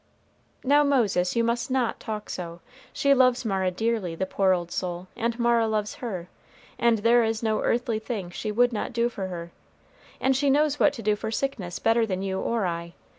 "Now, Moses, you must not talk so. She loves Mara dearly, the poor old soul, and Mara loves her, and there is no earthly thing she would not do for her. And she knows what to do for sickness better than you or I.